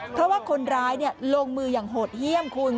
เพราะว่าคนร้ายลงมืออย่างโหดเยี่ยมคุณ